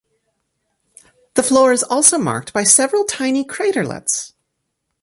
The floor is also marked by several tiny craterlets.